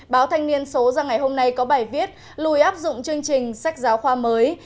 báo thanh niên số ra ngày hôm nay có bài viết lùi áp dụng chương trình sách giáo khoa mới